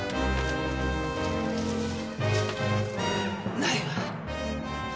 ないわ。